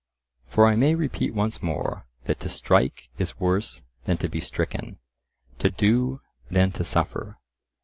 For I may repeat once more, that to strike is worse than to be stricken—to do than to suffer.